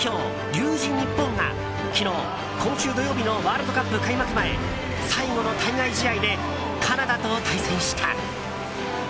龍神ＮＩＰＰＯＮが昨日、今週土曜日のワールドカップ開幕前最後の対外試合でカナダと対戦した。